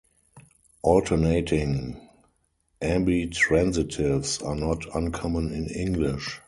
Alternating ambitransitives are not uncommon in English.